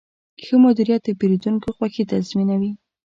ښه مدیریت د پیرودونکو خوښي تضمینوي.